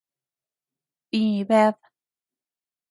Dii bead.